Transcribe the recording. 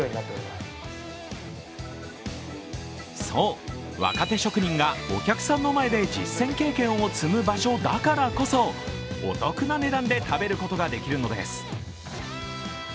そう、若手職人がお客さんの前で実戦経験を積む場所だからこそお得な値段で食べることができるのです。